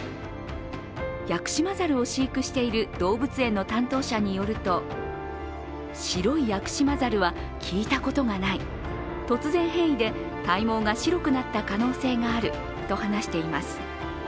ヤクシマザルを飼育している動物園の担当者によると、白いヤクシマザルは聞いたことがない、突然変異で体毛が白くなった可能性があると話しています。